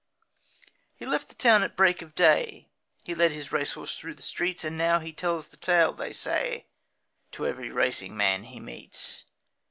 He left the town at break of day, He led his race horse through the streets, And now he tells the tale, they say, To every racing man he meets.